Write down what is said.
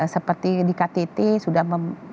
seperti di ktt sudah